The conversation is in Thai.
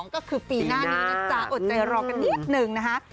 ก็คือปีหน้านี้นะจ๊ะอดใจรอกันนิดนึงนะคะ